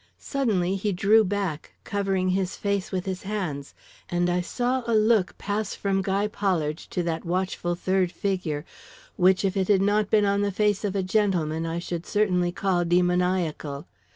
Suddenly he drew back, covering his face with his hands, and I saw a look pass from Guy Pollard to that watchful third figure, which, if it had not been on the face of a gentleman, I should certainly call demoniacal.